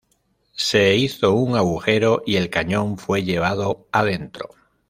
Se hizo un agujero y el cañón fue llevado adentro.